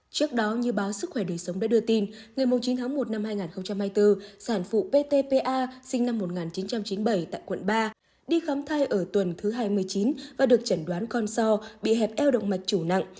trước đó như báo sức khỏe đời sống đã đưa tin ngày chín tháng một năm hai nghìn hai mươi bốn sản phụ ptpa sinh năm một nghìn chín trăm chín mươi bảy tại quận ba đi khám thai ở tuần thứ hai mươi chín và được chẩn đoán con so bị hẹp eo động mạch chủ nặng